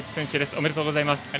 おめでとうございます。